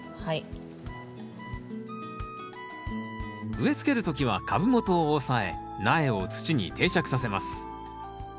植え付ける時は株元を押さえ苗を土に定着させます。